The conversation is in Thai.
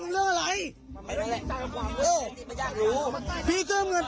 พวกเขาไม่รู้จักมีคนมาต้อยผม